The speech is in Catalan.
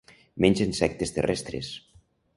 Menja insectes terrestres.